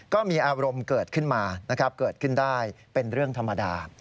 ก็มีอารมณ์เกิดขึ้นมานะครับเกิดขึ้นได้เป็นเรื่องธรรมดา